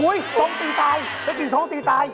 อุ้ยชงตีตายแม่กินชงตีตาย